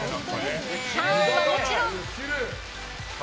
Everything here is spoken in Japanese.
ターンはもちろん。